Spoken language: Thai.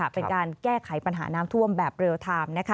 เป็นการแก้ไขปัญหาน้ำท่วมแบบเรียลไทม์